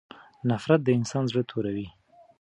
نفرت د انسان زړه توروي.